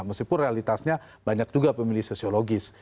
meskipun realitasnya banyak juga pemilih sosiologis